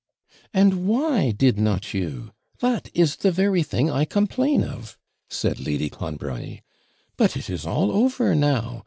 'And why did not you? that is the very thing I complain of,' said Lady Clonbrony. 'But it is all over now.